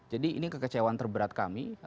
jadi ini kekecewaan terberat kami